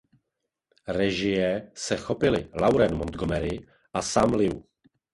Režie se chopili Lauren Montgomery a Sam Liu.